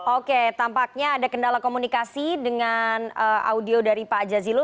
oke tampaknya ada kendala komunikasi dengan audio dari pak jazilul